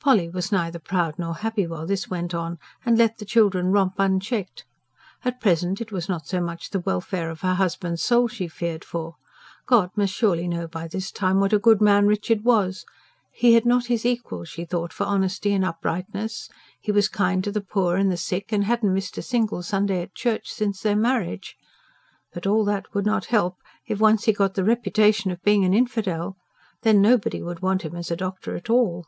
Polly was neither proud nor happy while this went on, and let the children romp unchecked. At present it was not so much the welfare of her husband's soul she feared for: God must surely know by this time what a good man Richard was; he had not his equal, she thought, for honesty and uprightness; he was kind to the poor and the sick, and hadn't missed a single Sunday at church, since their marriage. But all that would not help, if once he got the reputation of being an infidel. Then, nobody would want him as a doctor at all.